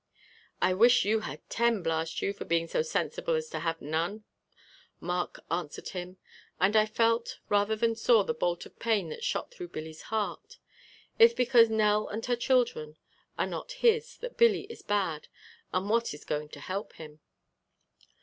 "I wish you had ten, blast you, for being so sensible as to have none," Mark answered him, and I felt rather than saw the bolt of pain that shot through Billy's heart. It's because Nell and her children are not his that Billy is bad, and what is going to help him?